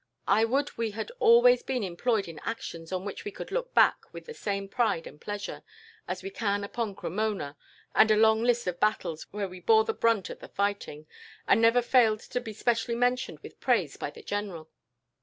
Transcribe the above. I would we had always been employed in actions on which we could look back, with the same pride and pleasure, as we can upon Cremona and a long list of battles where we bore the brunt of the fighting; and never failed to be specially mentioned with praise by the general.